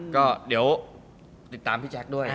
ก็เดี๋ยวติดตามพี่แจ๊คด้วย